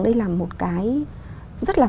đây là một cái rất là